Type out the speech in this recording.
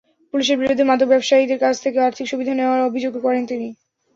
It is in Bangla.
পুলিশের বিরুদ্ধে মাদক ব্যবসায়ীদের কাছ থেকে আর্থিক সুবিধা নেওয়ার অভিযোগও করেন তিনি।